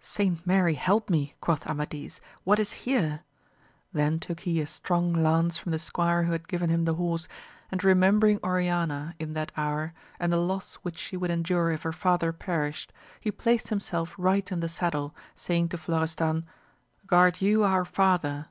Saint Mary help me, quoth Amadis, what is here ! then took he a strong lance from the squire who had given him the horse, and remembering Oriana in that 214 AMADIS OF GAUL. hour/and the loss which she would endure if her father perished, he placed himself right in the saddle, saying to Florestan, Guard you our father.